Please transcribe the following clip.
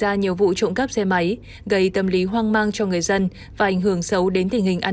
ra nhiều vụ trộm cắp xe máy gây tâm lý hoang mang cho người dân và ảnh hưởng xấu đến tình hình an